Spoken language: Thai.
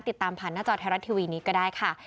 ติดตามผ่านหน้าจอไทยรัฐทีวีนี้ก็ได้ค่ะ